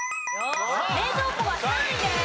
冷蔵庫は３位です。